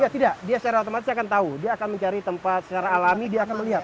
ya tidak dia secara otomatis akan tahu dia akan mencari tempat secara alami dia akan melihat